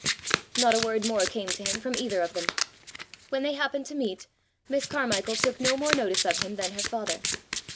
Not a word more came to him from either of them. When they happened to meet, Miss Carmichael took no more notice of him than her father.